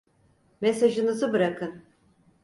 Mesajınızı bırakın.